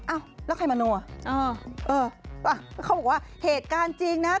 อ้าวแล้วใครมะโน่ะเขาบอกว่าเหตุการณ์จริงนะ